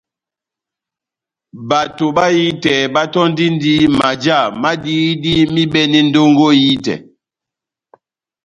Bato bahitɛ batɔ́ndindi majá ma dihidi m'ibɛne ndongo ehitɛ.